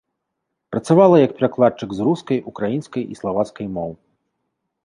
Працавала як перакладчык з рускай, украінскай і славацкай моў.